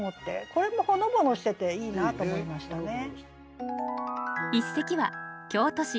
これもほのぼのしてていいなと思いましたね。